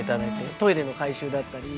トイレの改修だったり。